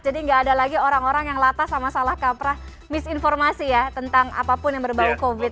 jadi enggak ada lagi orang orang yang latas sama salah kaprah misinformasi ya tentang apapun yang berbau covid